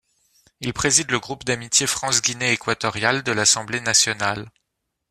Il préside le groupe d'amitié France-Guinée équatoriale de l'Assemblée nationale.